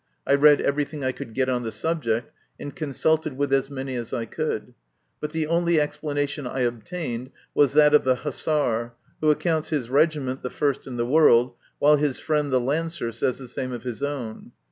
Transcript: I read everything I could get on the subject, and consulted with as many as I could, but the only explanation I obtained was that of the hussar, who accounts his regiment the first in the world, while his friend the lancer says the same of his own.